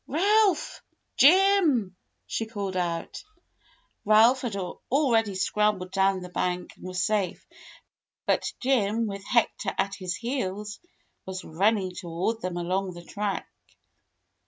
"Ralph! Jim!" she called out. Ralph had already scrambled down the bank and was safe, but Jim, with Hector at his heels, was run ning toward them along the track.